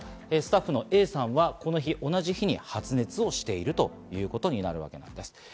スタッフのＡさんはこの日、同じ日に発熱をしているということになるわけです。